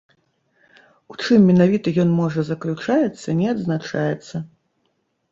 У чым менавіта ён можа заключаецца не адзначаецца.